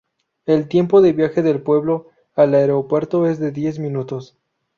El tiempo de viaje del pueblo al aeropuerto es de diez minutos.